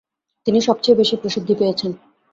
তিনি সবচেয়ে বেশি প্রসিদ্ধি পেয়েছেন।